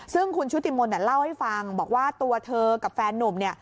ซึ่งคุณชุติมนต์เล่าให้ฟังบอกว่าตัวเธอกับแฟนนุ่มเนี่ย